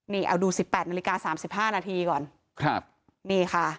นี่เอาดู๑๘นาฬิกา๓๕นาทีก่อนนี่ค่ะ